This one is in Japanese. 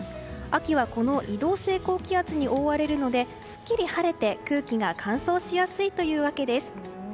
秋はこの移動性高気圧に覆われるのですっきり晴れて、空気が乾燥しやすいというわけです。